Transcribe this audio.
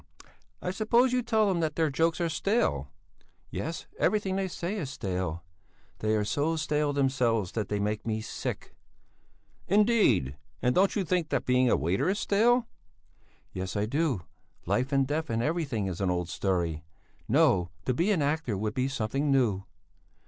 I suppose you tell them that their jokes are stale?" "Yes; everything they say is stale; they are so stale themselves that they make me sick." "Indeed! And don't you think that being a waiter is stale?" "Yes, I do; life and death and everything is an old story no to be an actor would be something new."